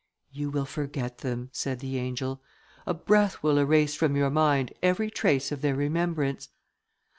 "You will forget them," said the angel. "A breath will erase from your mind every trace of their remembrance."